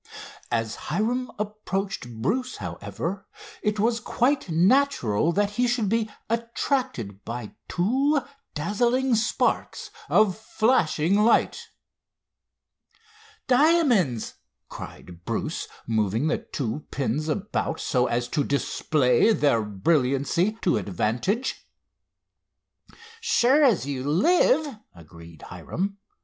As Hiram approached Bruce, however, it was quite natural that he should be attracted by two dazzling sparks of flashing light. "Diamonds!" cried Bruce, moving the two pins about so as to display their brilliancy to advantage. "Sure as you live!" agreed Hiram.